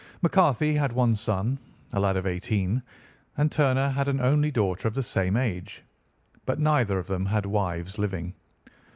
McCarthy had one son, a lad of eighteen, and Turner had an only daughter of the same age, but neither of them had wives living.